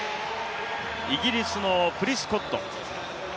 イギリスのプリスゴッド。